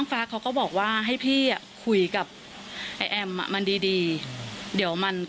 นับที่หวังที่พี่เล่น